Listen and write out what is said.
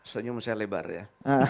senyum saya lebar ya